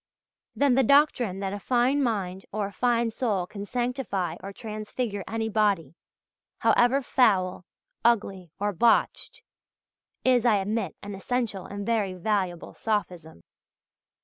Then the doctrine that a fine mind or a fine soul can sanctify or transfigure any body however foul, ugly, or botched is, I admit, an essential and very valuable sophism.